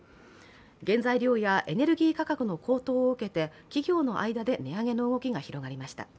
原材料やエネルギー価格の高騰を受けて企業の間で値上げの動きが広がりました。